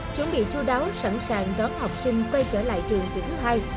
chuẩn bị chú đáo sẵn sàng đón học sinh quay trở lại trường từ thứ hai